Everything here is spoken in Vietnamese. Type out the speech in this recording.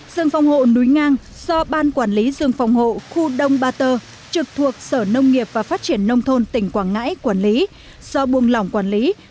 rừng phòng hộ núi ngang do ban quản lý rừng phòng hộ khu đông ba tơ trực thuộc sở nông nghiệp và phát triển nông thôn tỉnh quảng ngãi quản lý